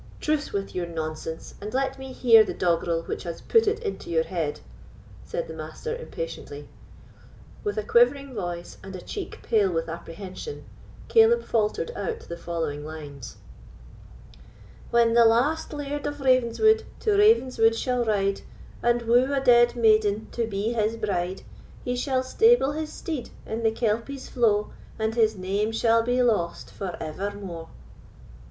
"Truce with your nonsense, and let me hear the doggerel which has put it into your head," said the Master, impatiently. With a quivering voice, and a cheek pale with apprehension, Caleb faltered out the following lines: "When the last Laird of Ravenswood to Ravenswood shall ride, And woo a dead maiden to be his bride, He shall stable his steed in the Kelpie's flow, And his name shall be lost for evermoe!"